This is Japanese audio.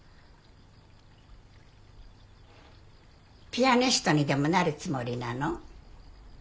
ピアニストにでもなるつもりなの？